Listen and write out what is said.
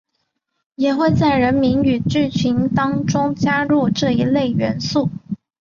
也会在人名与剧情当中加入这一类元素。